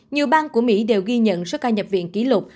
nhiều bang của mỹ đều ghi nhận số ca nhập viện kỷ lục